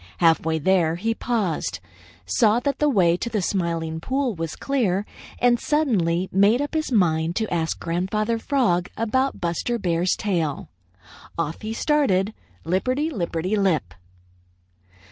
Half way there, he paused, saw that the way to the Smiling Pool was clear, and suddenly made up his mind to ask Grandfather Frog about Buster Bear's tail. Off he started, lipperty lipperty lip.